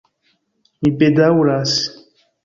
Mi bedaŭras.